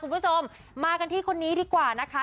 คุณผู้ชมมากันที่คนนี้ดีกว่านะคะ